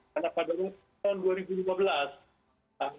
karena pada tahun dua ribu lima belas